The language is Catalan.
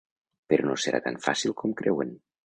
Però no serà tan fàcil com creuen.